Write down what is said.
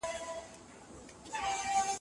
آیا تنور تر نغري ګرم دی؟